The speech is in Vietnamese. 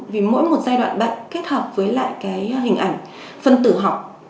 vì mỗi một giai đoạn bệnh kết hợp với lại cái hình ảnh phân tử học